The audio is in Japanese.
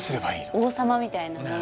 王様みたいなもの